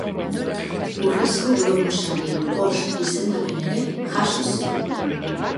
Urrezko Globo Sarien bost izendapen ere jaso zituen.